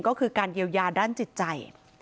ก็คือการเยียวยาด้านจิตใจ